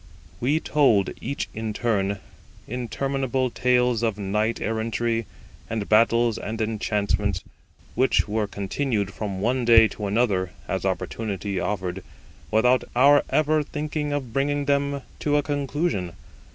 We told, each in turn, interminable tales of knight errantry and battles and enchantments, which were continued from one day to another as opportunity offered, without our ever thinking of bringing them to a conclusion.